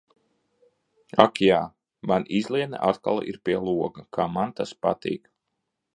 Ak jā, man izlietne atkal ir pie loga. Kā man tas patīk.